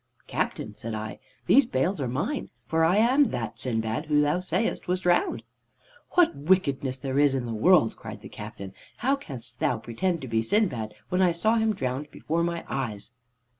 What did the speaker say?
"'Captain,' said I, 'these bales are mine, for I am that Sindbad who thou sayest was drowned.' "'What wickedness there is in the world,' cried the captain. 'How canst thou pretend to be Sindbad when I saw him drowned before my eyes?'